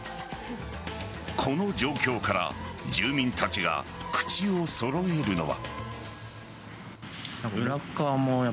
この状況から住民たちが口を揃えるのは。